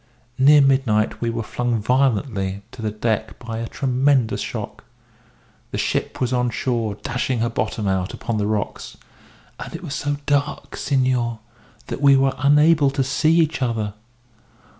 Near midnight we were flung violently to the deck by a tremendous shock. The ship was on shore, dashing her bottom out upon the rocks. And it was so dark, senor, that we were unable to see each other.